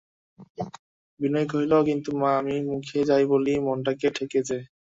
বিনয় কহিল, কিন্তু, মা, আমি মুখে যাই বলি মনটাতে ঠেকে যে।